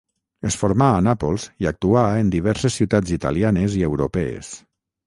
Es formà a Nàpols i actuà en diverses ciutats italianes i europees.